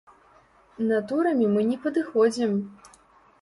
Натурамі мы не падыходзім.